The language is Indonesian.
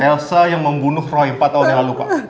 elsa yang membunuh roy empat tahun yang lalu pak